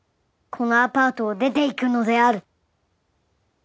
このアパートを出て行くのである！